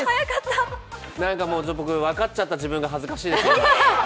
何か僕、分かっちゃった自分が恥ずかしいです。